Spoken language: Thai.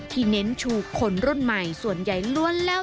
เน้นชูคนรุ่นใหม่ส่วนใหญ่ล้วนแล้ว